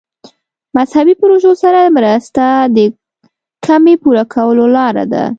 مذهبي پروژو سره مرسته د کمۍ پوره کولو لاره ده.